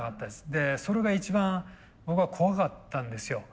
でそれが一番僕は怖かったんですよ。